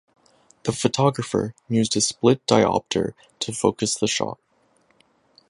The photographer used a split-diopter to focus the shot.